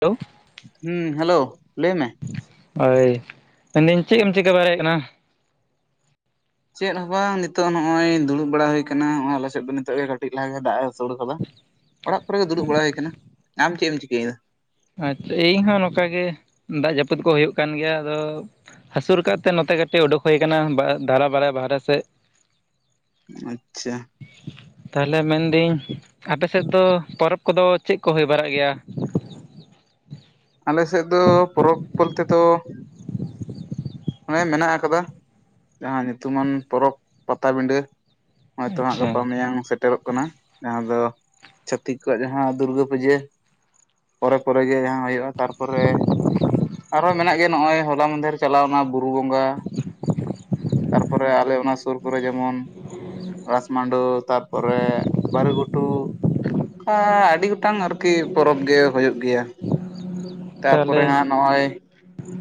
Hello ᱦᱩᱢ hello ᱞᱟᱹᱭ ᱢᱮ? ᱦᱳᱭ ᱢᱮᱱᱫᱤᱧ ᱪᱮᱫ ᱮᱢ ᱪᱤᱠᱟᱹ ᱫᱟᱲᱮᱭᱮᱫ ᱠᱟᱱᱟ? ᱪᱮᱫ ᱦᱚᱸ ᱵᱟᱝ ᱱᱤᱛᱚᱜ ᱱᱚᱜ-ᱚᱭ ᱫᱩᱲᱩᱵ ᱵᱟᱲᱟ ᱦᱳᱭ ᱠᱟᱱᱟ ᱦᱚᱸᱜ-ᱚᱭ ᱟᱞᱮᱥᱮᱫ ᱫᱚ ᱱᱤᱛᱚᱜ ᱜᱮ ᱠᱟᱹᱴᱤᱡ ᱞᱟᱦᱟ ᱜᱮ ᱫᱟᱜ ᱮᱦᱚᱵᱼᱼ ᱟᱥᱳᱲ ᱠᱟᱫᱟ ᱚᱲᱟᱜ ᱠᱚᱨᱮ ᱜᱮ ᱫᱩᱲᱩᱵ ᱵᱟᱲᱟ ᱦᱩᱭ ᱟᱠᱟᱱᱟ ᱟᱢ ᱪᱮᱫ ᱮᱢ ᱪᱤᱠᱟᱹᱭᱫᱟ᱾ ᱟᱪᱪᱷᱟ ᱤᱧ ᱦᱚᱸ ᱱᱚᱝᱠᱟ ᱜᱮ ᱫᱟᱜ ᱡᱟᱹᱯᱩᱫ ᱠᱚ ᱦᱳᱭᱳᱜ ᱠᱟᱱ ᱜᱮᱭᱟ ᱟᱫᱚᱼᱼ ᱦᱟᱹᱥᱩᱨ ᱠᱟᱜ ᱛᱮ ᱱᱚᱛᱮ ᱠᱟᱹᱴᱤᱡ ᱳᱰᱳᱠ ᱦᱳᱭ ᱠᱟᱱᱟ ᱵᱟ ᱫᱷᱟᱨᱟ ᱵᱟᱨᱮ ᱵᱟᱦᱨᱮ ᱥᱮᱫ ᱟᱪᱪᱷᱟ᱾ ᱛᱟᱦᱞᱮ ᱢᱮᱱᱫᱟᱹᱧ ᱟᱯᱮ ᱥᱮᱫ ᱫᱚ ᱯᱚᱨᱚᱵᱽ ᱠᱚᱫᱚ ᱪᱮᱫ ᱠᱚ ᱦᱳᱭ ᱵᱟᱨᱟᱜ ᱜᱮᱭᱟ᱾ ᱟᱞᱮ ᱥᱮᱫ ᱫᱚ ᱯᱚᱨᱚᱵᱽ ᱵᱚᱞᱛᱮ ᱫᱚᱼᱼ ᱚᱱᱮ ᱢᱮᱱᱟᱜ ᱟᱠᱟᱫᱟ ᱡᱟᱦᱟᱸ ᱧᱩᱛᱩᱢᱟᱱ ᱯᱚᱨᱚᱵᱽ ᱯᱟᱛᱟᱵᱤᱸᱱᱰᱟᱹ ᱦᱸᱚᱜᱚᱭ ᱛᱚ ᱦᱟᱸᱜ ᱟᱪᱪᱷᱟ ᱜᱟᱯᱟ ᱢᱮᱭᱟᱝ ᱥᱮᱴᱮᱨᱚᱜ ᱠᱟᱱᱟ ᱡᱟᱦᱟᱸ ᱫᱚ ᱪᱷᱟᱹᱛᱤᱠ ᱠᱚᱣᱟᱜ ᱡᱟᱦᱟᱸ ᱫᱩᱨᱜᱟᱹ ᱯᱩᱡᱟᱹ ᱯᱚᱨᱮ ᱯᱚᱨᱮ ᱜᱮ ᱡᱟᱦᱟᱸ ᱦᱩᱭᱩᱜᱼᱟ ᱛᱟᱨᱯᱚᱨᱮ ᱟᱨᱦᱚᱸ ᱢᱮᱱᱟᱜ ᱜᱮᱭᱟ ᱱᱚᱜᱼᱚᱭ ᱦᱚᱞᱟ ᱢᱫᱷᱮᱨ ᱪᱟᱞᱟᱣᱱᱟ᱾ ᱵᱩᱨᱩ ᱵᱚᱸᱜᱟ ᱛᱟᱨᱯᱚᱨᱮ ᱟᱞᱮ ᱚᱱᱟ ᱥᱩᱨ ᱠᱚᱨᱮ ᱡᱮᱢᱚᱱᱼᱼ ᱨᱟᱥ ᱢᱟᱰᱳ ᱛᱟᱨᱯᱚᱨᱮ ᱵᱟᱹᱨᱩ ᱜᱷᱩᱴᱩ ᱚᱱᱠᱟ ᱟᱹᱰᱤ ᱜᱚᱴᱟᱝ ᱟᱨᱠᱤ ᱯᱚᱨᱚᱵᱽ ᱜᱮ ᱦᱳᱭᱳᱜ ᱜᱮᱭᱟ᱾ ᱛᱟᱨᱯᱚᱨᱮ ᱛᱟᱦᱚᱞᱮ ᱦᱟᱸᱜ ᱱᱚᱜᱼᱚᱭ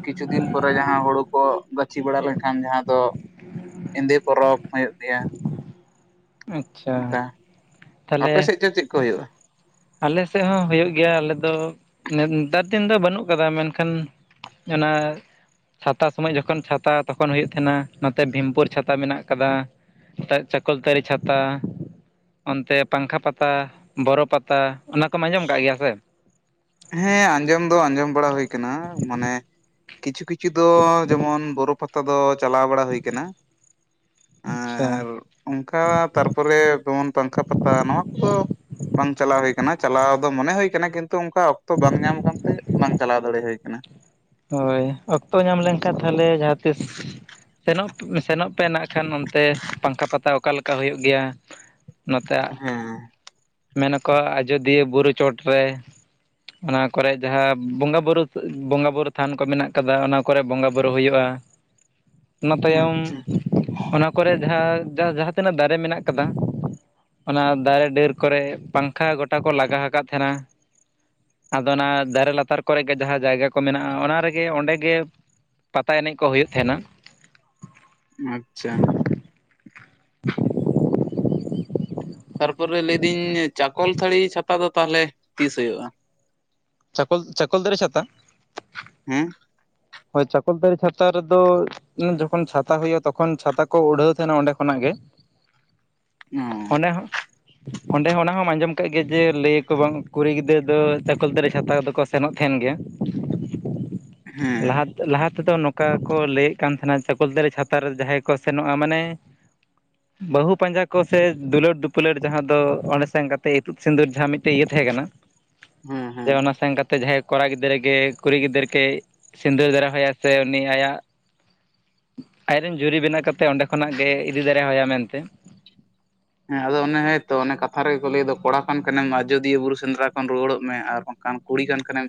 ᱠᱤᱪᱷᱩ ᱫᱤᱱ ᱯᱚᱨᱮ ᱡᱟᱦᱟᱸ ᱦᱳᱲᱳ᱾ ᱠᱚ ᱜᱟᱹᱪᱷᱤ ᱵᱟᱲᱟ ᱞᱮᱱᱠᱷᱟᱱ ᱡᱟᱦᱟᱸ ᱫᱚ ᱮᱸᱫᱮ ᱯᱚᱨᱚᱵᱽ ᱦᱳᱭᱳᱜ ᱜᱮᱭᱟ᱾ ᱟᱪᱪᱷᱟ᱾ ᱚᱱᱠᱟ ᱛᱟᱦᱚᱞᱮ ᱟᱯᱮ ᱥᱮᱫ ᱪᱮᱫ ᱪᱮᱫ ᱠᱚ ᱦᱳᱭᱳᱜᱼᱟ᱾ ᱟᱞᱮ ᱥᱮᱫ ᱦᱚᱸ ᱦᱩᱭᱩᱜ ᱜᱮᱭᱟ ᱟᱞᱮ ᱫᱚ ᱱᱮᱛᱟᱨ ᱫᱤᱱ ᱫᱚ ᱵᱟᱹᱱᱩᱜ ᱠᱟᱫᱟ ᱢᱮᱱᱠᱷᱟᱱ᱾ ᱚᱱᱟᱼᱼ ᱪᱷᱟᱛᱟ ᱥᱚᱢᱚᱭ ᱡᱚᱠᱷᱚᱱ ᱪᱷᱟᱛᱟ ᱛᱚᱠᱷᱚᱱ ᱦᱩᱭᱩᱜ ᱛᱟᱦᱮᱱᱟ ᱱᱚᱛᱮ ᱵᱷᱤᱢᱯᱩᱨ ᱪᱷᱟᱛᱟ ᱢᱮᱱᱟᱜ ᱠᱟᱫᱟ᱾ ᱛᱮ ᱪᱟᱠᱚᱞᱛᱟᱹᱨᱤ ᱪᱷᱟᱛᱟ ᱚᱱᱛᱮ ᱯᱟᱝᱠᱷᱟ ᱯᱟᱛᱟ ᱵᱚᱨᱚ ᱯᱟᱼᱼ ᱛᱟ ᱚᱱᱟ ᱠᱚᱢ ᱟᱸᱡᱚᱢ ᱠᱟᱜ ᱜᱮᱭᱟ ᱥᱮ? ᱦᱮᱸ ᱟᱸᱡᱚᱢ ᱫᱚ ᱟᱸᱡᱚᱢ ᱵᱟᱲᱟ ᱦᱩᱭ ᱠᱟᱱᱟ ᱢᱟᱱᱮ ᱠᱤᱪᱷᱩ ᱠᱤᱼᱼ ᱪᱷᱩ ᱫᱚ ᱡᱮᱢᱚᱱ ᱵᱚᱨᱚ ᱯᱟᱼᱼ ᱛᱟ ᱫᱚ ᱪᱟᱞᱟᱣ ᱵᱟᱲᱟ ᱦᱩᱭ ᱠᱟᱱᱟ ᱟᱪᱪᱷᱟ ᱟᱨᱼᱼ ᱚᱱᱠᱟ ᱛᱟᱨᱯᱚᱨᱮ ᱡᱮᱢᱚᱱ ᱯᱟᱝᱠᱷᱟ ᱯᱟᱛᱟ ᱱᱚᱣᱟ ᱠᱚᱫᱚ᱾ ᱵᱟᱝ ᱪᱟᱞᱟᱣ ᱦᱳᱭ ᱠᱟᱱᱟ ᱪᱟᱞᱟᱣ ᱫᱚ ᱢᱚᱱᱮ ᱦᱳᱭ ᱠᱟᱱᱟ ᱠᱤᱱᱛᱩ ᱚᱱᱠᱟᱼᱼ ᱚᱠᱛᱚ ᱵᱟᱝ ᱧᱟᱢ ᱠᱟᱱᱛᱮ ᱵᱟᱝ ᱪᱟᱞᱟᱣ ᱫᱟᱲᱮ ᱦᱳᱭ ᱠᱟᱱᱟ᱾ ᱦᱳᱭ ᱚᱠᱛᱚ ᱧᱟᱢ ᱞᱮᱱᱠᱷᱟᱱ ᱛᱟᱦᱚᱞᱮ ᱡᱟᱦᱟᱸ ᱛᱤᱥᱼᱼ ᱥᱮᱱᱚᱜ ᱥᱮᱱᱚᱜ ᱯᱮ ᱱᱟᱜ ᱠᱷᱟᱱ ᱚᱱᱛᱮ ᱯᱟᱝᱠᱷᱟ ᱯᱟᱛᱟ ᱚᱠᱟ ᱞᱮᱠᱟ ᱦᱳᱭᱳᱜ ᱜᱮᱭᱟ᱾ ᱱᱚᱛᱮ ᱦᱮᱸ ᱢᱮᱱ ᱟᱠᱚ ᱟᱡᱚᱫᱤᱭᱟᱹ ᱵᱩᱨᱩ ᱪᱚᱴᱨᱮ, ᱚᱱᱟ ᱠᱚᱨᱮ ᱡᱟᱦᱟᱸ ᱵᱚᱸᱜᱟ ᱵᱩᱨᱩ ᱵᱚᱸᱜᱟ ᱵᱩᱨᱩᱼᱼ ᱛᱷᱟᱱ ᱠᱚ ᱢᱮᱱᱟᱜ ᱟᱠᱟᱫᱟ ᱚᱱᱟ ᱠᱚᱨᱮ ᱵᱚᱸᱜᱟ ᱵᱩᱨᱩ ᱦᱩᱭᱩᱜᱼᱟ᱾ ᱚᱱᱟ ᱛᱟᱭᱚᱢ ᱟᱪᱪᱷᱟ ᱚᱱᱟ ᱠᱚᱨᱮ ᱡᱟᱸᱦᱟ ᱡᱟᱸᱦᱟ ᱡᱟᱸᱦᱟ ᱛᱤᱱᱟᱹᱜ ᱫᱟᱨᱮ ᱢᱮᱱᱟᱜ ᱠᱟᱫᱟ ᱚᱱᱟ ᱫᱟᱨᱮ ᱰᱟᱹᱨ ᱠᱚᱨᱮ ᱯᱟᱝᱠᱷᱟ ᱜᱚᱴᱟ ᱠᱚ ᱞᱟᱜᱟ ᱟᱠᱟᱫ ᱛᱟᱦᱮᱸᱱᱟ᱾ ᱟᱫᱚ ᱚᱱᱟ ᱫᱟᱨᱮ ᱞᱟᱛᱟᱨ ᱠᱚᱨᱮ ᱜᱮ ᱡᱟᱸᱦᱟᱸ ᱡᱟᱭᱜᱟ ᱠᱚ ᱢᱮᱱᱟᱜ ᱟ ᱚᱱᱟ ᱨᱮᱜᱮ ᱚᱸᱰᱮ ᱜᱮ ᱯᱟᱛᱟ ᱮᱱᱮᱡ ᱠᱚ ᱦᱳᱭᱳᱜ ᱛᱟᱦᱮᱸᱱᱟ᱾ ᱟᱪᱪᱷᱟ [inaudible] ᱛᱟᱨᱯᱚᱨᱮ ᱞᱟᱹᱭᱫᱤᱧ ᱪᱟᱠᱚᱞ ᱛᱟᱹᱲᱤ ᱪᱷᱟᱛᱟ ᱫᱚ ᱛᱟᱦᱞᱮ ᱛᱤᱥ ᱦᱳᱭᱳᱜᱼᱟ? ᱪᱠᱚᱞ ᱪᱠᱚᱞᱛᱟᱲᱤ ᱪᱷᱟᱛᱟ ᱦᱮᱸ ᱦᱳᱭ ᱪᱟᱠᱚᱞᱛᱟᱲᱤ ᱪᱷᱟᱛᱟ ᱨᱮᱫᱚ ᱩᱱ ᱡᱚᱠᱷᱚᱱ ᱪᱷᱟᱛᱟ ᱦᱳᱭᱳᱜᱼᱟ ᱛᱚᱠᱷᱚᱱ ᱪᱷᱟᱛᱟ ᱠᱚ ᱩᱰᱷᱟᱹᱣ ᱛᱟᱦᱮᱸᱱᱟ ᱚᱸᱰᱮ ᱠᱷᱚᱱᱟᱜ ᱜᱮ᱾ ᱚ ᱚᱸᱰᱮ ᱦᱚᱸ ᱚᱸᱰᱮ ᱦᱚᱸ ᱚᱱᱟ ᱦᱚᱸᱢ ᱟᱸᱡᱚᱢ ᱠᱟᱜ ᱜᱮᱭᱟ ᱡᱮ ᱞᱟᱹᱭ ᱟᱠᱚ ᱵᱟᱝ ᱠᱩᱲᱤ ᱜᱤᱫᱽᱨᱟᱹ ᱫᱚ ᱪᱟᱠᱚᱞᱛᱟᱲᱤ ᱪᱷᱟᱛᱟ ᱠᱚ ᱫᱚ ᱠᱚ ᱥᱮᱱᱚᱜ ᱛᱟᱦᱮᱱ ᱜᱮᱭᱟ᱾ ᱦᱮᱸ ᱞᱟᱦᱟ, ᱞᱟᱦᱟ ᱛᱮᱫᱚ ᱱᱚᱝᱠᱟ ᱠᱚ ᱞᱟᱹᱭᱮᱫ ᱠᱟᱱ ᱛᱟᱦᱮᱱᱟ ᱪᱟᱠᱚᱞ ᱪᱷᱟᱛᱟ ᱨᱮ ᱡᱟᱸᱦᱟᱸᱭ ᱠᱚ ᱥᱮᱱᱚᱜᱼᱟ ᱢᱟᱱᱮ [inaudible] ᱵᱟᱹᱦᱩ ᱯᱟᱸᱡᱟ ᱠᱚ ᱥᱮ ᱫᱩᱞᱟᱹᱲ ᱫᱩᱯᱞᱟᱹᱲ ᱡᱟᱸᱦᱟᱸ ᱫᱚ ᱚᱸᱰᱮ ᱥᱮᱱ ᱠᱟᱛᱮᱫ ᱤᱛᱩᱫ ᱥᱤᱸᱫᱩᱨ ᱡᱟᱸᱦᱟᱸ ᱢᱤᱫᱴᱮᱱ ᱤᱭᱟᱹ ᱛᱟᱦᱮᱸ ᱠᱟᱱᱟ᱾ ᱦᱮᱸ ᱡᱮ ᱦᱮᱸ ᱚᱱᱟ ᱥᱮᱱ ᱠᱟᱛᱮ ᱡᱟᱸᱦᱟᱸᱭ ᱠᱚᱲᱟ ᱜᱤᱫᱽᱨᱟᱹ ᱜᱮ ᱠᱩᱲᱤ ᱜᱤᱫᱽᱨᱟᱹ ᱜᱮ ᱥᱤᱸᱫᱟᱹᱨ ᱫᱟᱨᱟ ᱦᱚᱭᱟ ᱥᱮ ᱩᱱᱤ ᱟᱭᱟᱜ ᱟᱡᱨᱮᱱ ᱡᱩᱨᱤ ᱵᱮᱱᱟᱣ ᱠᱟᱛᱮᱫ ᱚᱸᱰᱮ ᱠᱷᱚᱱᱟᱜ ᱜᱮ ᱤᱫᱤ ᱫᱟᱲᱮ ᱟᱭᱟ ᱢᱮᱱᱛᱮ ᱦᱮᱸ ᱟᱫᱚ ᱚᱱᱮ ᱛᱚ ᱚᱱ ᱠᱟᱛᱷᱟ ᱜᱮᱠᱚ ᱞᱟᱹᱭ ᱠᱚᱲᱟ ᱠᱷᱟᱱ ᱠᱟᱱᱟᱮᱢ ᱟᱡᱚᱫᱤᱭᱟᱹ ᱵᱩᱨᱩ ᱥᱮᱸᱫᱽᱨᱟ ᱠᱷᱚᱱ ᱨᱩᱣᱟᱹᱲᱚᱜ ᱢᱮ ᱟᱨ ᱵᱟᱝᱠᱷᱟᱱ ᱠᱩᱲᱤ ᱠᱟᱱ ᱠᱷᱟᱱᱮᱢ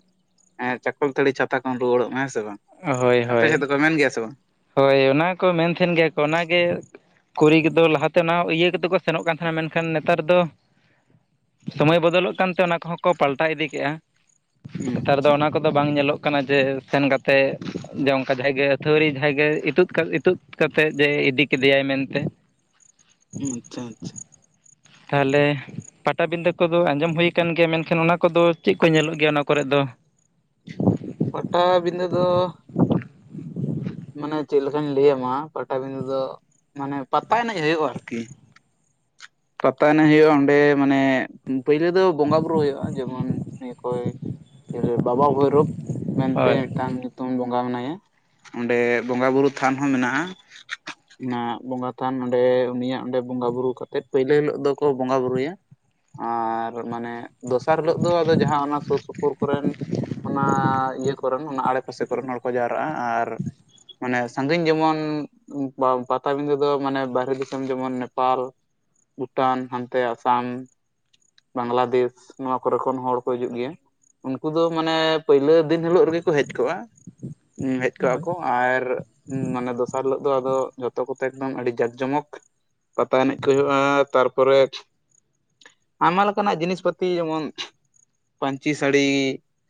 ᱪᱟᱠᱚᱞ ᱛᱟᱹᱲᱤ ᱪᱷᱟᱛᱟ ᱠᱷᱚᱱᱢ ᱨᱩᱣᱟᱹᱲᱚᱜ ᱢᱮ ᱦᱮᱸ ᱥᱮ ᱵᱟᱝ᱾ ᱦᱳᱭ ᱦᱳᱭ ᱛᱚ ᱢᱮᱱ ᱜᱮᱭᱟ ᱥᱮ ᱵᱟᱝ᱾ ᱦᱳᱭ ᱚᱱᱟ ᱠᱚ ᱢᱮᱱ ᱛᱟᱦᱮᱱ ᱜᱮᱭᱟ ᱠᱚ ᱚᱱᱟᱜᱮ᱾ ᱠᱩᱲᱤ ᱜᱤᱫᱽᱨᱟ. ᱞᱟᱦᱟ ᱛᱮ ᱚᱱᱟ ᱤᱭᱟᱹ ᱠᱟᱛᱮ ᱠᱚ ᱥᱮᱱᱚᱜ ᱠᱟᱱ ᱛᱟᱦᱮᱱᱟ ᱢᱮᱱᱠᱷᱟᱱ ᱱᱮᱛᱟᱨ ᱫᱚ ᱥᱚᱢᱚᱭ ᱵᱚᱫᱚᱞᱚᱜ ᱠᱟᱱᱛᱮ ᱚᱱᱟ ᱠᱚᱦᱚᱸ ᱠᱚ ᱯᱟᱞᱴᱟᱣ ᱤᱫᱤ ᱠᱮᱜᱼᱟ᱾ ᱱᱮᱛᱟᱨ ᱫᱚ ᱟᱪᱪᱷᱟ ᱚᱱᱟ ᱠᱚᱫᱚ ᱵᱟᱝ ᱧᱮᱞᱚᱜ ᱠᱟᱱᱟ ᱡᱮ ᱥᱮᱱ ᱠᱟᱛᱮ ᱡᱮ ᱚᱱᱠᱟ ᱡᱟᱸᱦᱟᱭ ᱜᱮ ᱟᱹᱛᱷᱟ. ᱣᱲᱤ ᱡᱟᱸᱦᱟᱸ ᱜᱮ ᱤᱛᱩᱫ ᱤᱛᱩᱫ ᱠᱟᱛᱮᱫ ᱡᱮ ᱤᱫᱤ ᱠᱮᱫᱮᱭᱟᱭ ᱢᱮᱱᱛᱮ᱾ ᱟᱪᱪᱷᱟ ᱟᱪᱪᱷᱟ ᱛᱟᱦᱚᱞᱮ ᱯᱟᱴᱟ ᱵᱤᱸᱫᱷᱟᱹ ᱠᱚᱫᱚ ᱟᱸᱡᱚᱢ ᱦᱩᱭ ᱟᱠᱟᱱ ᱜᱮᱭᱟ ᱢᱮᱱᱠᱷᱟᱱ ᱚᱱᱟ ᱠᱚᱫᱚ ᱪᱮᱫ ᱠᱚ ᱧᱮᱞᱚᱜ ᱜᱮᱭᱟ ᱚᱱᱟ ᱠᱚᱨᱮᱫ ᱫᱚ᱾ ᱯᱟᱴᱟ ᱵᱤᱸᱫᱷᱟᱹ ᱫᱚ ᱢᱟᱱᱮ ᱪᱮᱫ ᱞᱮᱠᱟᱧ ᱞᱟᱹᱭ ᱟᱢᱟ ᱯᱟᱴᱟ ᱵᱤᱸᱫᱷᱟᱹ ᱫᱚ ᱢᱟᱱᱮ ᱯᱟᱛᱟ ᱮᱱᱮᱡ ᱦᱩᱭᱩᱜᱼᱟ ᱟᱨᱠᱤ᱾ ᱯᱟᱛᱟ ᱮᱱᱮᱡ ᱦᱩᱭᱩᱜᱼᱟ ᱚᱸᱰᱮ ᱢᱟᱱᱮ ᱯᱳᱭᱞᱳ ᱫᱚ ᱵᱚᱸᱜᱟ ᱵᱩᱨᱩ ᱦᱩᱭᱩᱜᱼᱟ, ᱡᱮᱢᱚᱱ ᱤᱭᱟᱹ ᱠᱚᱭ ᱵᱟᱵᱟ ᱵᱷᱳᱭᱨᱳᱵ ᱢᱮᱱᱛᱮ ᱦᱳᱭ ᱢᱤᱫᱴᱟᱝ ᱧᱩᱛᱩᱢ ᱵᱚᱸᱜᱟ ᱢᱮᱱᱟᱭᱟ᱾ ᱚᱸᱰᱮ ᱵᱚᱸᱜᱟ ᱵᱩᱨᱩ ᱛᱷᱟᱱ ᱦᱚᱸ ᱢᱮᱱᱟᱜᱼᱟ᱾ ᱚᱱᱟ ᱵᱚᱸᱜᱟ ᱛᱷᱟᱱ ᱚᱸᱰᱮ ᱩᱱᱤᱭᱟᱜ ᱚᱸᱰᱮ ᱵᱚᱸᱜᱟ ᱵᱩᱨᱩ ᱠᱟᱛᱮᱫ᱾ ᱯᱟ. ᱭᱞᱟ. ᱦᱤᱞᱳᱜ ᱫᱚᱠᱚ ᱵᱚᱸᱜᱟ ᱵᱩᱨᱩᱭᱟ ᱟᱨ ᱢᱟᱱᱮ ᱫᱚᱥᱟᱨ ᱦᱤᱞᱳ ᱟᱫᱚ ᱡᱟᱸᱦᱟᱸ ᱚᱱᱟ ᱥᱩᱨ ᱥᱩᱯᱩᱨ ᱠᱚ ᱨᱮᱱ ᱚᱱᱟ ᱤᱭᱟᱹ ᱠᱚᱨᱮᱱ ᱚᱱᱟ ᱟᱲᱮᱯᱟᱥᱮ ᱠᱚ ᱨᱮᱱ ᱦᱚᱲ ᱠᱚ ᱡᱟᱣᱨᱟᱜᱼᱟ ᱟᱨ ᱢᱟᱱᱮ ᱥᱟᱺᱜᱤᱧ ᱡᱮᱢᱚᱱ ᱯᱟᱴᱟ ᱵᱤᱸᱫᱷᱟᱹ ᱫᱚ ᱢᱟᱱᱮ ᱵᱟᱦᱨᱮ ᱫᱤᱥᱚᱢ ᱡᱮᱢᱚᱱ ᱱᱮᱯᱟᱞ ᱵᱷᱩᱴᱟᱱ ᱦᱟᱱᱛᱮ ᱟᱥᱟᱢ ᱵᱟᱝᱞᱟᱫᱮᱥ ᱱᱚᱣᱟ ᱠᱚᱨᱮ ᱠᱷᱚᱱ ᱦᱚᱲ ᱠᱚ ᱦᱤᱡᱩᱜ ᱜᱮᱭᱟ᱾ ᱩᱱᱠᱩ ᱫᱚ ᱢᱟᱱᱮ ᱯᱟ. ᱭᱞᱟ. ᱫᱤᱱ ᱦᱤᱞᱳ ᱨᱮᱜᱮ ᱠᱚ ᱦᱮᱡ ᱠᱚᱜᱼᱟ᱾ ᱦᱮᱡ ᱠᱚᱜᱼᱟ ᱦᱳᱭ ᱠᱚ ᱟᱨ ᱦᱩᱸᱻ ᱢᱟᱱᱮ ᱫᱚᱥᱟᱨ ᱦᱤᱞᱚᱜ ᱫᱚ ᱟᱫᱚ ᱡᱷᱚᱛᱚ ᱠᱚᱛᱮ ᱮᱠᱫᱚᱢ ᱟᱹᱰᱤ ᱡᱟᱠ ᱡᱚᱢᱚᱠ ᱯᱟᱛᱟ ᱮᱱᱮᱡ ᱠᱚ ᱦᱩᱭᱩᱜ [unintelligible] ᱛᱟᱨᱯᱚᱨᱮ ᱟᱭᱢᱟ ᱞᱮᱠᱟᱱᱟᱜ ᱡᱤᱱᱤᱥ ᱯᱟᱹᱛᱤ ᱡᱮᱢᱚᱱ ᱯᱟᱹᱧᱪᱤ ᱥᱟᱹᱲᱤ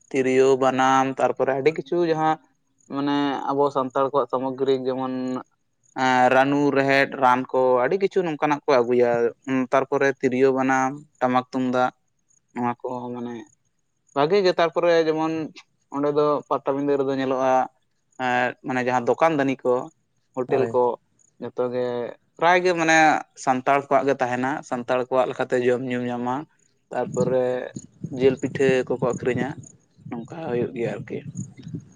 ᱛᱤᱨᱭᱳ ᱵᱟᱱᱟᱢ ᱛᱟᱨᱯᱚᱨᱮ ᱟᱹᱰᱤ ᱠᱤᱪᱷᱩ ᱡᱟᱦᱟᱸ ᱢᱟᱱᱮ ᱟᱵᱚ ᱥᱟᱱᱛᱟᱲ ᱠᱚᱣᱟᱜ ᱥᱟᱢᱚᱜᱨᱤ ᱡᱮᱢᱚᱱ ᱨᱟᱹᱱᱩ ᱨᱮᱦᱮᱫ ᱨᱟᱱ ᱠᱚ ᱟᱹᱰᱤ ᱠᱤᱪᱷᱩ ᱱᱚᱝᱠᱟᱱᱟᱜ ᱠᱚ ᱟᱹᱜᱩᱭᱟ ᱛᱟᱨᱯᱚᱨᱮ ᱛᱤᱨᱭᱳ ᱵᱟᱱᱟᱢ ᱴᱟᱢᱟᱠ ᱛᱩᱢᱫᱟᱜ ᱱᱚᱣᱟ ᱠᱚ ᱢᱟᱱᱮ ᱵᱷᱟᱹᱜᱤ ᱜᱮ ᱛᱟᱨᱯᱚᱨᱮ ᱡᱮᱢᱚᱱ ᱚᱸᱰᱮ ᱫᱚ ᱯᱟᱴᱟᱵᱤᱸᱫᱷᱟᱹ ᱨᱮᱫᱚ ᱧᱮᱞᱚᱜᱼᱟ ᱾ ᱮᱻ ᱢᱟᱱᱮ ᱡᱟᱦᱟᱸ ᱫᱚᱠᱟᱱ ᱫᱟᱹᱱᱤ ᱠᱚ ᱦᱳᱴᱮᱞ ᱦᱳᱭ ᱠᱚ ᱡᱚᱛᱚ ᱜᱮ ᱯᱨᱟᱭ ᱜᱮ ᱢᱟᱱᱮ ᱥᱟᱱᱛᱟᱲ ᱠᱚᱣᱟᱜ ᱜᱮ ᱛᱟᱦᱮᱱᱟ ᱥᱟᱱᱛᱟᱲ ᱠᱚᱣᱟᱜ ᱞᱮᱠᱟᱛᱮ ᱡᱚᱢ ᱧᱩᱢ ᱧᱟᱢᱟ ᱾ ᱛᱟᱯᱚᱨᱮ ᱡᱤᱞ ᱯᱤᱴᱷᱟᱹ ᱠᱚᱠᱚ ᱟᱹᱠᱷᱨᱤᱧᱟ ᱱᱚᱝᱠᱟ ᱦᱩᱭᱩᱜ ᱜᱮᱭᱟ ᱾ ᱟᱨᱠᱤ,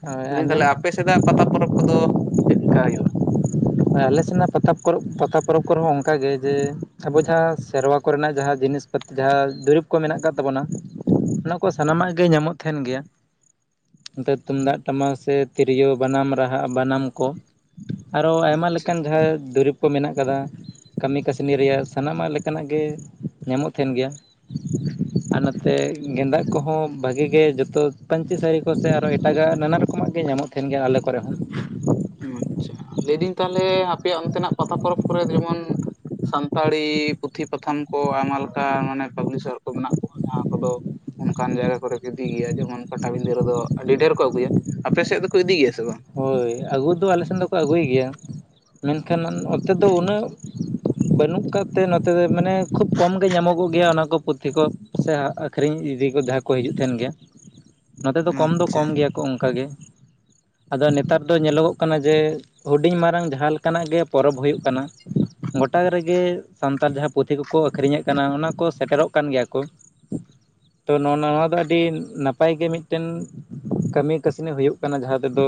ᱦᱳᱭ ᱟᱸᱡᱚᱢ ᱛᱟᱦᱚᱞᱮ ᱟᱯᱮ ᱥᱮᱫᱟᱜ ᱯᱟᱛᱟ ᱯᱚᱨᱚᱵᱽ ᱠᱚᱫᱚ ᱪᱮᱫ ᱞᱮᱠᱟ ᱦᱩᱭᱩᱜᱼᱟ? ᱟᱞᱮ ᱥᱮᱱᱟᱜ ᱯᱟᱛᱟ ᱯᱚᱨᱚᱵᱽ ᱯᱟᱛᱟ ᱯᱚᱨᱚᱵᱽ ᱠᱚᱨᱮ ᱦᱚᱸ ᱚᱱᱠᱟᱜᱮ ᱡᱮ ᱟᱵᱚ ᱡᱟᱦᱟᱸ ᱥᱮᱨᱣᱟ ᱠᱚᱨᱮᱱᱟᱜ ᱡᱟᱦᱟᱸ ᱡᱤᱱᱤᱥ ᱡᱟᱦᱟᱸ ᱫᱩᱨᱤᱵᱽ ᱠᱚ ᱢᱮᱱᱟᱜ ᱟᱠᱟᱫ ᱛᱟᱵᱚᱱᱟ ᱚᱱᱟ ᱠᱚ ᱥᱟᱱᱟᱢᱟᱜ ᱜᱮ ᱧᱟᱢᱚᱜ ᱛᱟᱦᱮᱱ ᱜᱮᱭᱟ ᱾ ᱱᱚᱛᱮ ᱛᱩᱢᱫᱟᱜ ᱴᱟᱢᱟᱠ ᱥᱮ ᱛᱤᱨᱭᱳ ᱵᱟᱱᱟᱢ ᱨᱟᱦᱟ ᱵᱟᱱᱟᱢ ᱠᱚ ᱾ ᱟᱨᱦᱚᱸ ᱟᱭᱢᱟ ᱟᱪᱪᱷᱟ ᱞᱮᱠᱟᱱ ᱡᱟᱦᱟᱸᱭ ᱫᱩᱨᱤᱵᱽ ᱠᱚ ᱢᱮᱱᱟᱜ ᱟᱠᱟᱫᱟ ᱠᱟᱹᱢᱤ ᱠᱟᱹᱥᱱᱤ ᱨᱮᱭᱟᱜ ᱥᱟᱱᱟᱢᱟᱜ ᱞᱮᱠᱟᱱᱟᱜ ᱜᱮ ᱧᱟᱢᱚᱜ ᱛᱟᱦᱮᱱ ᱜᱮᱭᱟ ᱾ [inaudible] ᱟᱨ ᱱᱚᱛᱮ ᱜᱮᱸᱫᱟᱜ ᱠᱚᱦᱚᱸ ᱵᱷᱟᱹᱜᱤ ᱜᱮ ᱡᱚᱛᱚ ᱯᱟᱹᱧᱪᱤ ᱥᱟᱹᱲᱤ ᱠᱚᱥᱮ ᱟᱨᱦᱚᱸ ᱮᱴᱟᱜᱟᱜ ᱱᱟᱱᱟ ᱨᱚᱠᱚᱢᱟᱜ ᱜᱮ ᱧᱟᱢᱚᱜ ᱛᱟᱦᱮᱸᱱ ᱜᱮᱭᱟ ᱟᱞᱮ ᱠᱚᱨᱮ ᱦᱚᱸ ᱾ ᱟᱪᱪᱷᱟ ᱞᱟᱹᱭᱫᱟᱹᱧ ᱛᱟᱦᱟᱞᱮ ᱟᱯᱮᱭᱟᱜ ᱚᱱᱛᱮᱱᱟᱜ ᱯᱟᱛᱟ ᱯᱚᱨᱚᱵᱽ ᱠᱚᱨᱮ ᱡᱮᱢᱚᱱ ᱥᱟᱱᱛᱟᱲᱤ ᱯᱩᱛᱷᱤ ᱯᱟᱛᱷᱟᱢ ᱠᱚ ᱟᱭᱢᱟ ᱞᱮᱠᱟ ᱢᱟᱱᱮ ᱯᱟᱵᱽᱞᱤᱥᱚᱨ ᱠᱚ ᱢᱮᱱᱟᱜ ᱠᱚᱣᱟ ᱡᱟᱦᱟᱸ ᱠᱚᱫᱚ ᱚᱱᱠᱟᱱ ᱡᱟᱭᱜᱟ ᱠᱚᱨᱮ ᱠᱚ ᱤᱫᱤ ᱜᱮᱭᱟ ᱡᱮᱢᱚᱱ ᱯᱟᱴᱟᱵᱤᱸᱫᱷᱟᱹ ᱨᱮᱫᱚ ᱟᱹᱰᱤ ᱰᱷᱮᱨ ᱠᱚ ᱟᱹᱜᱩᱭᱟ ᱾ ᱟᱯᱮ ᱥᱮᱫ ᱫᱚᱠᱚ ᱤᱫᱤ ᱜᱮᱭᱟ ᱥᱮ ᱵᱟᱝ? ᱦᱚᱭ ᱟᱹᱜᱩ ᱫᱚ ᱟᱞᱮ ᱥᱮᱱ ᱫᱚᱠᱚ ᱟᱹᱜᱩᱭ ᱜᱮᱭᱟ ᱢᱮᱱᱠᱷᱟᱱ ᱱᱚᱛᱮ ᱫᱚ ᱩᱱᱟᱹᱜ ᱵᱟᱹᱱᱩᱜ ᱠᱟᱫ ᱛᱮ ᱱᱚᱛᱮ ᱫᱚ ᱢᱟᱱᱮ ᱠᱷᱩᱵᱽ ᱠᱚᱢ ᱜᱮ ᱧᱟᱢᱚᱜᱚᱜ ᱜᱮᱭᱟ ᱚᱱᱟᱠᱚ ᱯᱩᱛᱷᱤ ᱠᱚ ᱥᱮ ᱟᱹᱠᱷᱨᱤᱧ ᱤᱫᱤ ᱠᱚ ᱡᱟᱦᱟᱸ ᱠᱚ ᱦᱤᱡᱩᱜ ᱛᱟᱦᱮᱸᱱ ᱜᱮᱭᱟ ᱱᱚᱛᱮ ᱫᱚ ᱠᱚᱢ ᱫᱚ ᱟᱪᱪᱷᱟ ᱠᱚᱢ ᱜᱮᱭᱟ ᱠᱚ ᱚᱱᱠᱟ ᱜᱮ ᱟᱫᱚ ᱱᱮᱛᱟᱨ ᱫᱚ ᱧᱮᱞᱚᱜᱚᱜ ᱠᱟᱱᱟ ᱡᱮ ᱦᱩᱰᱤᱧ ᱢᱟᱨᱟᱝ ᱡᱟᱦᱟᱸ ᱞᱮᱠᱟᱱᱟᱜ ᱜᱮ ᱯᱚᱨᱚᱵᱽ ᱦᱩᱭᱩᱜ ᱠᱟᱱᱟ ᱾ ᱜᱚᱴᱟ ᱨᱮᱜᱮ ᱥᱟᱱᱛᱟᱲ ᱡᱟᱦᱟᱸ ᱯᱩᱛᱷᱤ ᱠᱚᱠᱚ ᱟᱹᱠᱷᱨᱤᱧ ᱮᱫ ᱠᱟᱱᱟ ᱚᱱᱟ ᱠᱚ ᱥᱮᱴᱮᱨᱚᱜ ᱠᱟᱱ ᱜᱮᱭᱟ ᱠᱚ ᱾ [inaudible] ᱛᱚ ᱱᱚᱜ ᱱᱚᱣᱟ ᱫᱚ ᱟᱹᱰᱤ ᱱᱟᱯᱟᱭ ᱜᱮ ᱢᱤᱫᱴᱮᱱ ᱠᱟᱹᱢᱤ ᱠᱟᱹᱥᱱᱤ ᱦᱩᱭᱩᱜ ᱠᱟᱱᱟ ᱡᱟᱦᱟᱸ ᱫᱚ ᱛᱮᱫᱚ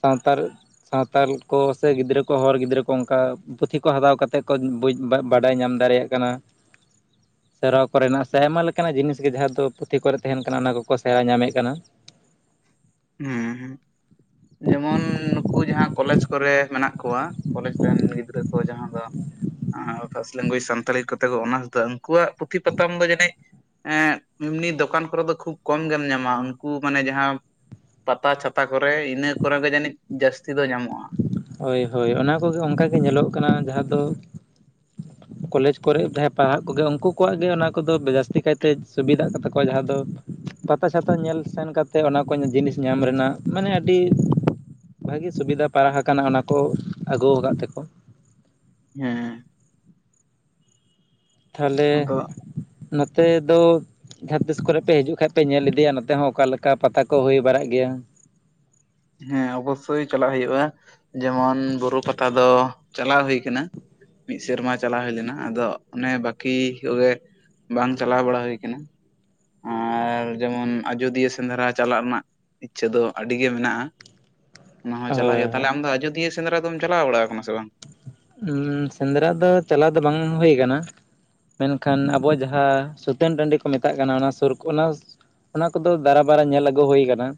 ᱥᱟᱣᱛᱟᱞ ᱥᱟᱣᱛᱟᱞ ᱠᱚ ᱥᱮ ᱜᱤᱫᱽᱨᱟᱹ ᱠᱚ ᱦᱚᱲ ᱜᱤᱫᱽᱨᱟᱹ ᱠᱚ ᱚᱱᱠᱟ ᱯᱩᱛᱷᱤ ᱠᱚ ᱦᱟᱛᱟᱣ ᱠᱟᱛᱮᱫ ᱠᱚ ᱵᱩᱡᱷ ᱵᱟᱰᱟᱭ ᱧᱟᱢ ᱫᱟᱲᱮᱭᱟᱜ ᱠᱟᱱᱟ ᱾ ᱥᱮᱨᱣᱟ ᱠᱚᱨᱮᱱᱟᱜ ᱥᱮ ᱟᱭᱢᱟ ᱞᱮᱠᱟᱱᱟᱜ ᱡᱤᱱᱤᱥ ᱜᱮ ᱡᱟᱦᱟᱸ ᱫᱚ ᱯᱩᱛᱷᱤ ᱠᱚᱨᱮ ᱛᱟᱦᱮᱸᱱ ᱠᱟᱱᱟ ᱚᱱᱟ ᱠᱚᱠᱚ ᱥᱮᱲᱟ ᱧᱟᱢᱮᱫ ᱠᱟᱱᱟ ᱾ ᱦᱩᱸ ᱦᱩᱸ ᱡᱮᱢᱚᱱ ᱱᱩᱠᱩ ᱡᱟᱦᱟᱸ ᱠᱚᱞᱮᱡᱽ ᱠᱚᱨᱮ ᱢᱮᱱᱟᱜ ᱠᱚᱣᱟ ᱠᱚᱞᱮᱡᱽ ᱨᱮᱱ ᱜᱤᱫᱽᱨᱟᱹ ᱠᱚ ᱡᱟᱦᱟᱸ ᱫᱚ ᱟᱻ ᱯᱷᱟᱥᱴ ᱞᱮᱝᱜᱩᱭᱮᱡᱽ ᱥᱟᱱᱛᱟᱞᱤ ᱠᱚᱛᱮ ᱠᱚ ᱚᱱᱟᱨᱥ ᱫᱟ ᱩᱱᱠᱩᱣᱟᱜ ᱯᱩᱛᱷᱤ ᱯᱟᱛᱷᱢ ᱫᱚ ᱡᱟᱹᱱᱤᱡ ᱮᱸᱜ ᱮᱢᱱᱤ ᱫᱚᱠᱟᱱ ᱠᱚᱨᱮ ᱫᱚ ᱠᱷᱩᱵᱽ ᱠᱚᱢ ᱜᱮᱢ ᱧᱟᱢᱟ ᱩᱱᱠᱩ ᱢᱟᱱᱮ ᱡᱟᱦᱟᱸ ᱯᱟᱛᱟ ᱪᱷᱟᱛᱟ ᱠᱚᱨᱮ ᱤᱱᱟᱹ ᱠᱚᱨᱮ ᱜᱮ ᱡᱟᱹᱱᱤᱡ ᱡᱟᱹᱥᱛᱤ ᱫᱚ ᱧᱟᱢᱚᱜᱼᱟ ᱾ ᱦᱚᱭ ᱦᱚᱭ ᱚᱱᱟ ᱠᱚᱜᱮ ᱚᱱᱠᱟᱜᱮ ᱧᱮᱞᱚᱜ ᱠᱟᱱᱟ ᱡᱟᱦᱟᱸ ᱫᱚ ᱠᱚᱞᱮᱡᱽ ᱠᱚᱨᱮᱜ ᱡᱟᱦᱟᱸᱭ ᱯᱟᱲᱦᱟᱜ ᱠᱚᱜᱮ ᱩᱱᱠᱩ ᱠᱚᱣᱟᱜ ᱜᱮ ᱚᱱᱟ ᱠᱚᱫᱚ ᱡᱟᱹᱥᱛᱤ ᱠᱟᱭᱛᱮ ᱥᱩᱵᱤᱫᱷᱟᱜ ᱠᱟᱱ ᱛᱟᱠᱚᱣᱟ ᱡᱟᱦᱟᱸ ᱫᱚ ᱯᱟᱛᱟ ᱪᱷᱟᱛᱟ ᱧᱮᱞ ᱥᱮᱱ ᱠᱟᱛᱮᱫ ᱚᱱᱟ ᱠᱚ ᱡᱤᱱᱤᱥ ᱧᱟᱢ ᱨᱮᱱᱟᱜ ᱢᱟᱱᱮ ᱟᱹᱰᱤ ᱵᱷᱟᱹᱜᱤ ᱥᱩᱵᱤᱫᱷᱟ ᱯᱟᱲᱟᱣ ᱟᱠᱟᱱᱟ ᱚᱱᱟ ᱠᱚ ᱟᱹᱜᱩ ᱟᱠᱟᱫ ᱛᱮᱠᱚ ᱾ ᱦᱮᱸᱻ ᱛᱟᱦᱟᱞᱮ, ᱟᱫᱚ ᱱᱚᱛᱮ ᱫᱚ ᱡᱟᱦᱟᱸ ᱛᱤᱥ ᱠᱚᱨᱮ ᱯᱮ ᱦᱤᱡᱩ-ᱜ ᱠᱷᱟᱱᱡ ᱯᱮ ᱧᱮᱞ ᱤᱫᱤᱭᱟ ᱾ᱱᱚᱛᱮ ᱦᱚᱸ ᱚᱠᱟᱞᱮ ᱞᱮᱠᱟ ᱯᱟᱛᱟ ᱠᱚ ᱾ᱦᱩᱭ ᱵᱟᱲᱟ-ᱜ ᱜᱮᱭᱟ᱾ ᱦᱮᱸ ᱚᱵᱚᱥᱥᱳᱭ ᱪᱟᱞᱟ-ᱜ ᱦᱩᱭᱩᱜᱼᱟ᱾ ᱡᱮᱢᱚᱱ ᱵᱩᱨᱩ ᱯᱟᱛᱟ ᱫᱚ᱾ ᱪᱟᱞᱟᱣ ᱦᱩᱭ ᱟᱠᱟᱱᱟ᱾ ᱢᱤᱫ ᱥᱮᱸᱨᱢᱟ ᱪᱟᱞᱟ-ᱣ ᱦᱩᱭ ᱞᱮᱱᱟ᱾ ᱟᱫᱚ ᱚᱱᱮ ᱵᱟᱹᱠᱤ ᱠᱚᱜᱮ ᱵᱟᱝ, ᱪᱟᱞᱟ-ᱣ ᱵᱟᱲᱟ ᱦᱩᱭ ᱟᱠᱟᱱᱟ ᱟᱨ ᱡᱮᱢᱚᱱ᱾ ᱟᱡᱳᱫᱤᱭᱟᱹ ᱥᱮᱸᱫᱽᱨᱟ᱾ ᱪᱟᱞᱟ-ᱜ ᱨᱮᱱᱟ-ᱜ ᱤᱪᱪᱷᱟᱹ ᱫᱚ, ᱟᱹᱰᱤᱜᱮ ᱢᱮᱱᱟᱜᱼᱟ᱾ ᱚᱱᱟ ᱦᱚᱸ ᱪᱟᱞᱟ-ᱜ ᱦᱳᱭ ᱦᱩᱭᱩ-ᱜᱼᱟ᱾ ᱛᱟᱦᱟᱞᱮ ᱦᱳᱭ ᱟᱢᱫᱚ ᱟᱡᱳᱫᱤᱭᱟᱹ ᱥᱮᱸᱫᱽᱨᱟ ᱫᱚᱢ᱾ ᱪᱟᱞᱟ-ᱣ ᱵᱟᱲᱟ ᱟᱠᱟᱱᱟ ᱥᱮ ᱵᱟᱝ? ᱩᱸᱻ ᱥᱮᱸᱫᱽᱨᱟ ᱫᱚ᱾ ᱪᱟᱞᱟ-ᱣ ᱫᱚ ᱵᱟᱝ ᱦᱩᱭ ᱟᱠᱟᱱᱟ᱾ ᱢᱮᱱᱠᱷᱟᱱ ᱟᱵᱚᱣᱟ-ᱜ ᱡᱟᱦᱟᱸ ᱥᱩᱛᱟᱹᱱ ᱴᱟᱺᱰᱤ ᱠᱚ ᱢᱮᱛᱟ-ᱜ ᱠᱟᱱᱟ ᱾ᱚᱱᱟ ᱥᱩᱨ ᱚᱱᱟ ᱚᱱᱟ ᱠᱚ-ᱫᱚ ᱫᱟᱨᱟ-ᱵᱟᱨᱟ ᱧᱮᱞ ᱟᱹᱜᱩ ᱦᱩᱭ ᱟᱠᱟᱱᱟ᱾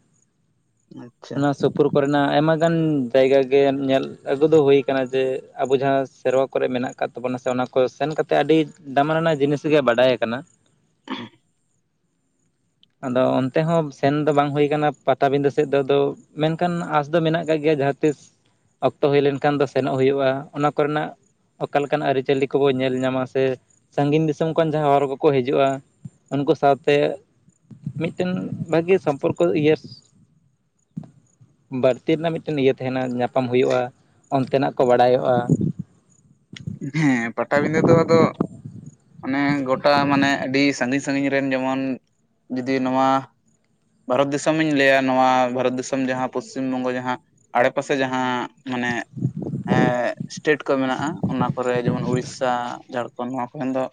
ᱟᱪᱪᱷᱟ ᱚᱱᱟ ᱥ ᱥᱩᱯᱩᱨ ᱠᱚᱨᱮᱱᱟ-ᱜ ᱟᱭᱢᱟ ᱜᱟᱱ ᱡᱟᱭᱜᱟ᱾ ᱜᱮ ᱧᱮᱞ ᱟᱹᱜᱩ ᱫᱚ ᱦᱩᱭ ᱟᱠᱟᱱᱟ᱾ ᱡᱮ ᱟᱵᱚ ᱡᱟᱦᱟᱸ ᱥᱮᱸᱨᱣ-ᱟ ᱾ᱠᱚᱨᱮ ᱢᱮᱱᱟᱜ ᱟᱠᱟᱫ ᱛᱟᱵᱚᱱᱟ᱾ ᱥᱮ ᱚᱱᱟ ᱠᱚ, ᱥᱮᱱ ᱠᱟᱛᱮ ᱟᱹᱰᱤ ᱫᱟᱢᱟᱱ ᱟᱱᱟ-ᱜ ᱡᱤᱱᱤᱥ ᱜᱮ᱾ ᱵᱟᱰᱟᱭ ᱟᱠᱟᱱᱟ᱾ [unintelligible] ᱟᱫᱚ ᱚᱱᱛᱮ ᱦᱚᱸ, ᱥᱮᱱ ᱫᱚ ᱵᱟᱝ ᱦᱩᱭ ᱟᱠᱟᱱᱟ᱾ ᱯᱟᱛᱟᱵᱤᱸᱫᱟᱹ ᱥᱮᱫ ᱫᱚ᱾ ᱟᱫᱚ ᱢᱮᱱᱠᱷᱟᱱ ᱟᱸᱥ ᱫᱚ ᱢᱮᱱᱟ-ᱜ ᱟᱠᱟᱫ ᱜᱮᱭᱟ ᱾ᱡᱟᱦᱟᱸ ᱛᱤᱥ ᱚᱠᱛᱚ ᱦᱩᱭ ᱞᱮᱱᱠᱷᱟᱱ ᱫᱚ, ᱥᱮᱱᱚ-ᱜ ᱦᱩᱭᱩᱜᱼᱟ ᱚᱱᱟ ᱠᱚᱨᱮᱱᱟ-ᱜ ᱚᱠᱟᱞᱮᱠᱟᱱᱟ-ᱜ ᱟᱹᱨᱤᱪᱟᱹᱞᱤ ᱠᱚ-ᱵᱚ ᱧᱮᱞ ᱧᱟᱢᱟ᱾ ᱥᱮ ᱥᱟᱹᱜᱤᱧ ᱫᱤᱥᱚᱢ ᱠᱷᱚᱱ᱾ ᱡᱟᱦᱟᱸᱭ ᱦᱚᱲ ᱠᱚᱼᱠᱚ ᱦᱤᱡᱩᱜᱼᱟ᱾ ᱩᱱᱠᱩ ᱥᱟᱶᱛᱮ ᱢᱤᱫᱴᱮᱱ ᱵᱷᱟᱹᱜᱤ ᱥᱚᱢᱯᱚᱨ ᱠᱚ ᱤᱭᱟᱹ ᱵᱟᱹᱲᱛᱤ ᱨᱮᱱᱟ-ᱜ ᱢᱤᱫ ᱢᱤᱫᱴᱮᱱ ᱤᱭᱟᱹ ᱛᱟᱦᱮᱸᱱᱟ᱾ ᱧᱟᱯᱟᱢ ᱦᱩᱭᱩᱜᱼᱟ ᱾ᱚᱱᱛᱮᱱᱟ-ᱜ ᱠᱚ ᱵᱟᱲᱟᱭᱚᱜᱼᱟ᱾ ᱦᱮᱸ, ᱯᱟᱴᱟᱵᱤᱸᱫᱟᱹ ᱫᱚ᱾ ᱟᱫᱚ ᱚᱱᱮ, ᱜᱚᱴᱟ ᱢᱟᱱᱮ, ᱟᱹᱰᱤ ᱥᱟᱹᱜᱤᱧ - ᱥᱟᱹᱜᱤᱧ ᱨᱮᱱ ᱡᱮᱢᱚᱱ, ᱡᱩᱫᱤ ᱱᱚᱣᱟ ᱵᱷᱟᱨᱚᱛ ᱫᱤᱥᱚᱢᱤᱧ ᱞᱟᱹᱭᱟ᱾ ᱱᱚᱣᱟ ᱵᱷᱟᱨᱚᱛ ᱫᱤᱥᱚᱢ ᱡᱟᱦᱟᱸ ᱯᱚᱥᱪᱤᱢ ᱵᱚᱝᱜᱚ ᱾ᱡᱟᱦᱟᱸ ᱟᱸᱲᱮ ᱯᱟᱥᱮ᱾ ᱡᱟᱦᱟᱸ ᱢᱟᱱᱮ ᱥᱴᱮᱴ ᱠᱚ᱾ ᱢᱮᱱᱟᱜᱼᱟ᱾ ᱚᱱᱟ ᱠᱚᱨᱮ, ᱡᱮᱢᱚᱱ ᱩᱲᱤᱥᱥᱟ᱾ ᱡᱷᱟᱲᱠᱷᱚᱸᱰ᱾ ᱱᱚᱣᱟ ᱠᱚᱨᱮᱱ ᱫᱚ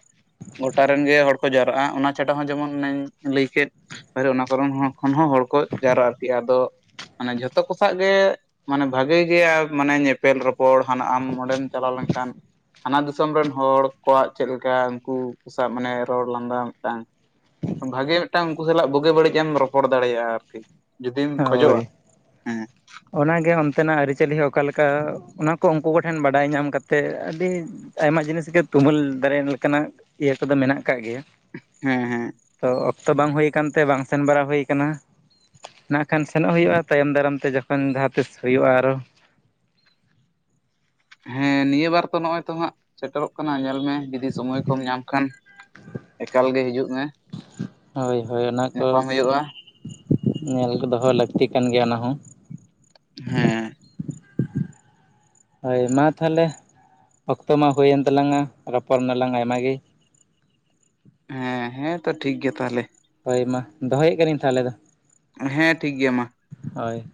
ᱜᱚᱴᱟ ᱨᱮᱱ ᱜᱮ, ᱦᱚᱲ ᱠᱚ ᱡᱟᱣᱨᱟᱜᱼᱟ᱾ ᱚᱱᱟ ᱪᱷᱟᱰᱟ ᱦᱚᱸ ᱡᱮᱢᱚᱱ, ᱚᱱᱮᱧ ᱞᱟᱹᱭ ᱠᱮᱫ ᱚᱱᱟ ᱠᱟᱨᱚᱱ ᱠᱷᱚᱱ ᱦᱚᱸ ᱦᱚᱲ ᱠᱚ, ᱡᱟᱣᱨᱟ᱾ ᱟᱨᱠᱤ ᱟᱫᱚ, ᱢᱟᱱᱮ ᱡᱷᱚᱛᱚ ᱠᱚ ᱥᱟᱜ ᱜᱮ ᱢᱟᱱᱮ ᱵᱷᱟᱜᱮ ᱜᱮᱭᱟ᱾ ᱢᱟᱱᱮ ᱧᱮᱯᱮᱞ, ᱨᱚᱯᱚᱲ, ᱦᱟᱱᱟ ᱟᱢ ᱚᱸᱰᱮᱢ ᱪᱟᱞᱟ-ᱣ ᱞᱮᱱᱠᱷᱟᱱ ᱦᱟᱱᱟ ᱫᱤᱥᱚᱢ ᱨᱮᱱ ᱦᱚᱲ ᱠᱚᱣᱟ-ᱜ ᱪᱮᱫ ᱞᱮᱠᱟ ᱾ᱩᱱᱠᱩ ᱥᱟᱶ ᱢᱟᱱᱮ ᱨᱚᱲ, ᱞᱟᱸᱫᱟ, ᱢᱤᱫᱴᱟᱝ ᱵᱷᱟᱜᱮ ᱢᱤᱫᱴᱟᱝ ᱩᱱᱠᱩ ᱥᱟᱞᱟ-ᱜ ᱵᱩᱜᱤ- ᱵᱟᱹᱲᱤᱡ ᱮᱢ ᱨᱚᱯᱚᱲ ᱫᱟᱲᱮᱭᱟᱜᱼᱟ᱾ ᱟᱨᱠᱤ ᱡᱩᱫᱤᱢ, ᱠᱷᱚᱡᱚᱜᱼᱟ ᱾ᱦᱮᱸ ᱚᱱᱟ ᱜᱮ ᱚᱱᱛᱮᱱᱟ-ᱜ ᱟᱹᱨᱤ ᱪᱟᱹᱞᱤ ᱦᱚᱸ ᱚᱠᱟᱞᱮᱠᱟ᱾ ᱚᱱᱟ ᱠᱚ ᱩᱱᱠᱩ ᱠᱚᱴᱷᱮᱱ᱾ ᱵᱟᱰᱟᱭ ᱧᱟᱢ ᱠᱟᱛᱮᱫ ᱟᱹᱰᱤ ᱟᱭᱢᱟ ᱡᱤᱱᱤᱥ ᱜᱮ᱾ ᱛᱩᱢᱟᱹᱞ ᱫᱟᱲᱮ ᱞᱮᱠᱟᱱᱟ-ᱜ ᱤᱭᱟᱹ ᱠᱚ-ᱫᱚ ᱢᱮᱱᱟ-ᱜ ᱟᱠᱟᱫ ᱜᱮᱭᱟ᱾ ᱦᱮᱸ- ᱦᱮᱸ᱾ ᱫᱚ ᱚᱠᱛᱚ ᱵᱟᱝ ᱦᱩᱭ ᱟᱠᱟᱱᱛᱮ᱾ ᱵᱟᱝ ᱥᱮᱱ ᱵᱟᱲᱟ ᱦᱩᱭ ᱠᱟᱱᱟ᱾ ᱱᱟᱜ ᱠᱷᱟᱱ ᱥᱮᱱᱚ-ᱜ ᱦᱩᱭᱩᱜᱼᱟ᱾ ᱛᱟᱭᱚᱢ ᱫᱟᱨᱟᱢᱛᱮ ᱡᱚᱠᱷᱚᱱ᱾ ᱡᱟᱦᱟᱸ ᱛᱤᱥ ᱦᱩᱭᱩᱜᱼᱟ ᱾ᱟᱨᱚ ᱦᱮᱸ ᱱᱤᱭᱟᱹ ᱵᱟᱨ ᱛᱚ ᱾ᱱᱚᱜᱼᱚᱭ ᱛᱚ᱾ ᱦᱟᱸᱜ ᱥᱮᱴᱮᱨᱚ-ᱜ ᱠᱟᱱᱟ᱾ ᱧᱮᱞ ᱢᱮ ᱡᱩᱫᱤ ᱥᱚᱢᱚᱭ ᱠᱚᱢ ᱧᱟᱢ ᱠᱷᱟᱱ᱾ ᱮᱠᱟᱞ ᱜᱮ, ᱦᱤᱡᱩᱜ ᱢᱮ᱾ ᱦᱳᱭ - ᱦᱳᱭ ᱧᱟᱯᱟᱢ ᱚᱱᱟᱛᱳᱥ ᱦᱩᱭᱩᱜᱼᱟ ᱧᱮᱞ ᱫᱚ-ᱦᱚᱸ ᱞᱟᱹᱠᱛᱤ ᱠᱟᱱ ᱜᱮᱭᱟ ᱾ᱚᱱᱟ ᱦᱚᱸ ᱦᱮᱸ᱾ ᱦᱳᱭ ᱢᱟ ᱛᱟᱦᱚᱞᱮ᱾ ᱚᱠᱛᱚ ᱢᱟ ᱦᱩᱭᱮᱱ ᱛᱟᱞᱟᱝ ᱟ᱾ ᱨᱚᱯᱚᱲ ᱱᱟᱞᱟᱝ ᱟᱭᱢᱟ ᱜᱮ᱾ ᱦᱮᱸ - ᱦᱮᱸ ᱛᱚ ᱴᱷᱤᱠ ᱜᱮᱭᱟ᱾ ᱛᱟᱦᱚᱞᱮ ᱦᱳᱭ ᱢᱟ᱾ ᱫᱚᱦᱚᱭᱮᱫ ᱠᱟᱹᱱᱟᱹᱧ, ᱛᱟᱦᱚᱞᱮ ᱫᱚ᱾ ᱦᱮᱸ ᱾ᱴᱷᱤᱠ ᱜᱮᱭᱟ ᱢᱟ᱾ ᱦᱳᱭ᱾